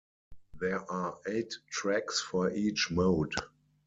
There are eight tracks for each mode.